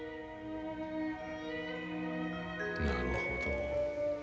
なるほど。